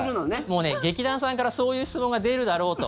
もうね、劇団さんからそういう質問が出るだろうと。